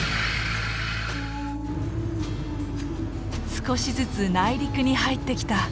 少しずつ内陸に入ってきた。